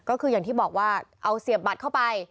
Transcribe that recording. ก็คืออย่างที่บอกว่าเอาเสียบบัตรเข้าไป